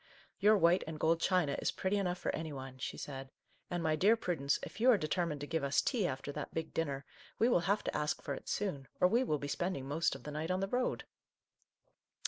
u Your white and gold china is pretty enough for any one ;" she said, cc and, my dear Prudence, if you are determined to give us tea after that big dinner, we will have to ask for it soon, or we will be spending most of the night on the road."